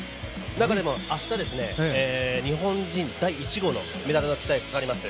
中でも明日、日本人第１号のメダルに期待がかかります。